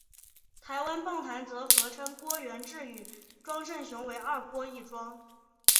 台湾棒坛则合称郭源治与庄胜雄为二郭一庄。